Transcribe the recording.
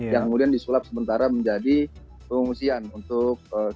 yang kemudian disulap sementara menjadi pengungsian untuk